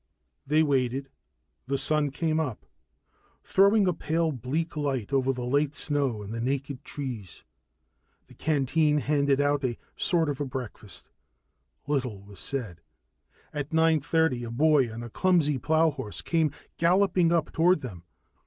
They waited. The sun came up, throwing a pale bleak light over the late snow and the naked trees. The canteen handed out a sort of breakfast. Little was said. At nine thirty, a boy on a clumsy plowhorse came galloping up toward them.